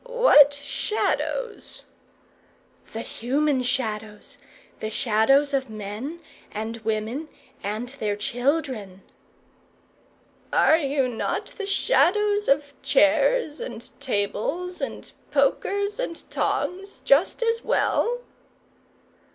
"What Shadows?" "The human Shadows. The Shadows of men, and women, and their children." "Are you not the shadows of chairs and tables, and pokers and tongs, just as well?"